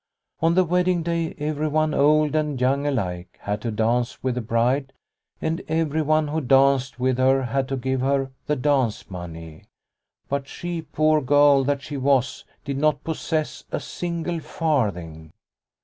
On the wedding day everyone, old and young, alike, had to dance with the bride, and every one who danced with her had to give her the dance money. But she, poor girl that she was, did not possess a single farthing.